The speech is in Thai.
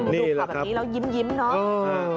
ดูแบบนี้แล้วยิ้มเนอะ